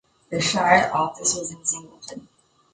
The shire office was in Singleton.